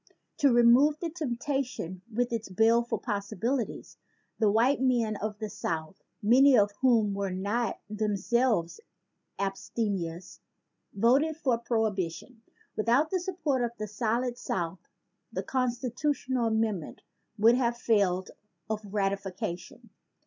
To remove the temptation with its baleful possibilities, the white men of the South, many of whom were not themselves abstemious, voted for Prohibi tion. Without the support of the solid South the constitutional amendment would have failed of ratification.